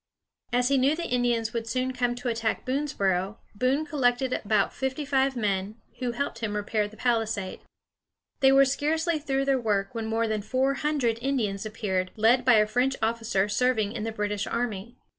] As he knew the Indians would soon come to attack Boonesboro, Boone collected about fifty five men, who helped him repair the palisade. They were scarcely through their work when more than four hundred Indians appeared, led by a French officer serving in the British army.